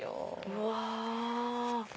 うわ！